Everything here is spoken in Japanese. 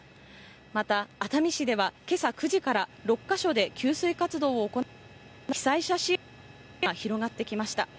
また熱海市では今朝９時から６か所で給水活動を行うなど、被災者支援の動きが広がってきました。